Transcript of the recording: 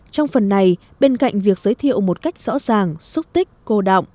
trong phần này bên cạnh việc giới thiệu một cách rõ ràng xúc tích cô động